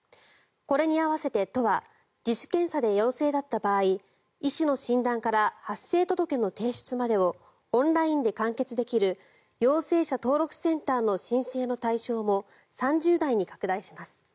これに合わせて、都は自主検査で陽性だった場合医師の診断から発生届の提出までをオンラインで完結できる陽性者登録センターの申請の対象も３０代に拡大します。